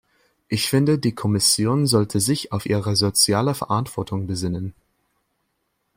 Ich finde, die Kommission sollte sich auf ihre soziale Verantwortung besinnen.